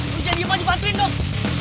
lo jadi apa aja panggilin dong